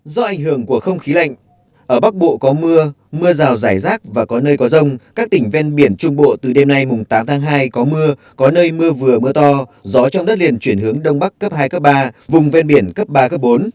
do ảnh hưởng của không khí lạnh ở bắc bộ có mưa mưa rào rải rác và có nơi có rông các tỉnh ven biển trung bộ từ đêm nay tám tháng hai có mưa có nơi mưa vừa mưa to gió trong đất liền chuyển hướng đông bắc cấp hai cấp ba vùng ven biển cấp ba bốn